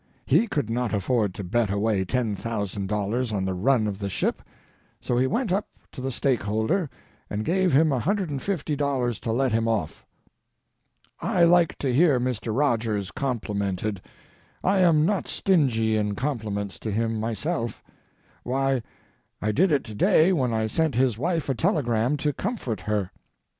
He could not afford to bet away $10,000 on the run of the ship, so he went up to the stakeholder and gave him $150 to let him off. I like to hear Mr. Rogers complimented. I am not stingy in compliments to him myself. Why, I did it to day when I sent his wife a telegram to comfort her.